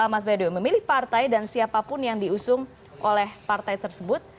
mas badwi memilih partai dan siapapun yang diusung oleh partai tersebut